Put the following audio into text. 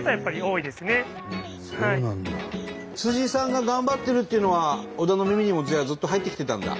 さんが頑張ってるっていうのは小田の耳にもずっと入ってきてたんだ？